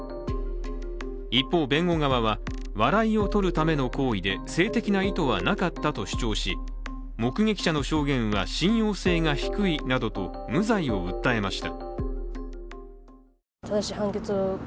一方、弁護側は笑いをとるための行為で性的な意図はなかったと主張し目撃者の証言は信用性が低いなどと無罪を訴えました。